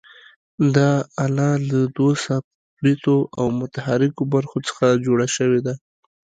دا آله له دوو ثابتو او متحرکو برخو څخه جوړه شوې ده.